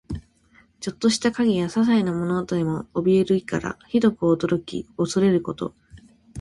ちょっとした影やささいな物音にもおびえる意から、ひどく驚き怖れること。